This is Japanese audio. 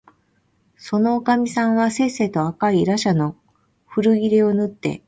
そのおかみさんはせっせと赤いらしゃの古切れをぬって、